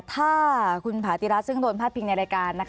ถ้าคุณผาติรัฐซึ่งโดนพาดพิงในรายการ